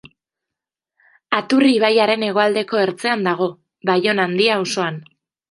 Aturri ibaiaren hegoaldeko ertzean dago, Baiona Handia auzoan.